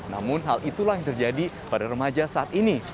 namun hal itulah yang terjadi pada remaja saat ini